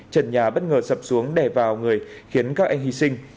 trần nhà bất ngờ sập xuống đè vào người khiến các em hy sinh